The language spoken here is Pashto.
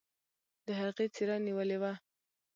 د هغې څيره نيولې وه.